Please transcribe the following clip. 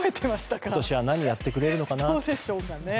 今年は何をやってくれるのかなー？